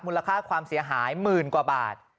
ค่าความเสียหายหมื่นกว่าบาท